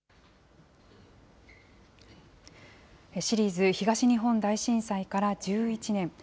シリーズ、東日本大震災から１１年。